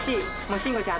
慎吾ちゃん。